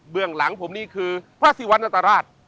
เบื้องหลังผมนี่คือพระศิวัณธรรมราช